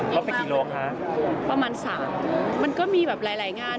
ไปกี่โลคะประมาณสามมันก็มีแบบหลายหลายงาน